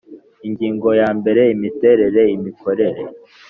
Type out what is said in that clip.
Ingingo ya mbere Imiterere imikorere